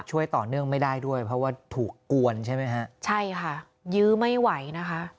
ช่วยต่อเนื่องไม่ได้ด้วยเพราะว่าถูกกวนใช่ไหมฮะใช่ค่ะยื้อไม่ไหวนะคะ